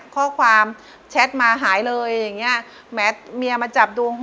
ข้อความแชตมาให้หายเลยแมตเสร็จเธอมาจับดู